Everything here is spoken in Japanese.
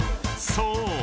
［そう。